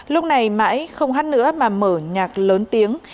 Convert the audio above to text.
lúc này mãi không hát nữa mà mở nhạc lớn tiếng